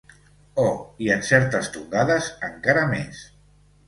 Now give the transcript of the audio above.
Oh, i en certes tongades, encara més!